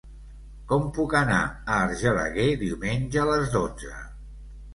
Com puc anar a Argelaguer diumenge a les dotze?